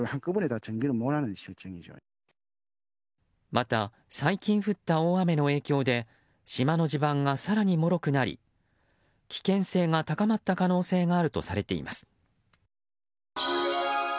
また、最近降った大雨の影響で島の地盤が更にもろくなり危険性が高まった可能性があるとされています。